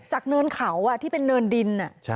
เนินเขาที่เป็นเนินดิน